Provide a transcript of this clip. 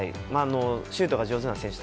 シュートが上手な選手